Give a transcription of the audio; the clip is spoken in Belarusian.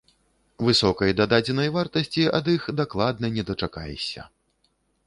Высокай дададзенай вартасці ад іх дакладна не дачакаешся.